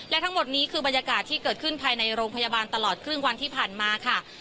และทั้งหมดนี้คือบรรยากาศที่เกิดขึ้นภายในโรงพยาบาลตลอดครึ่งวันที่ผ่านมาค่ะ